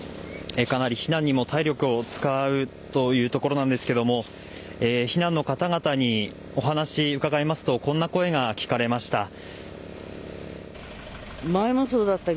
かなり避難にも体力を使うというところなんですが避難してきた方々にお話を伺うとこんな声が聞かれました。